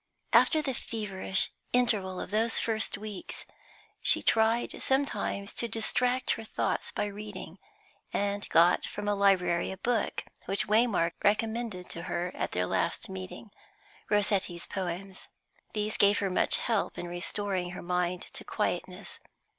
After the feverish interval of those first weeks, she tried sometimes to distract her thoughts by reading, and got from a library a book which Waymark had recommended to her at their last meeting Rossetti's poems. These gave her much help in restoring her mind to quietness.